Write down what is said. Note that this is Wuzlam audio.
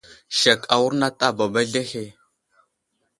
Sek awurnat a baba aslehe.